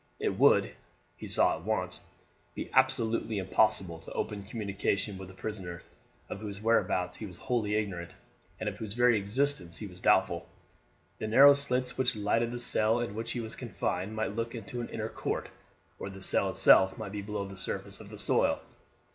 It would, he saw at once, be absolutely impossible to open communication with a prisoner of whose whereabouts he was wholly ignorant and of whose very existence he was doubtful. The narrow slits which lighted the cell in which he was confined might look into an inner court, or the cell itself might be below the surface of the soil.